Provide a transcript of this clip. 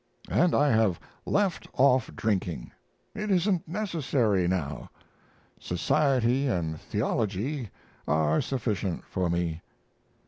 And I have left off drinking it isn't necessary now. Society & theology are sufficient for me.